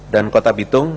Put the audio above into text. dan kota bitung